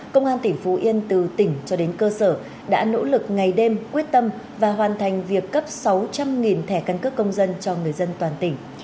công an tỉnh phú yên từ tỉnh cho đến cơ sở đã nỗ lực ngày đêm quyết tâm và hoàn thành việc cấp sáu trăm linh thẻ căn cước công dân cho người dân toàn tỉnh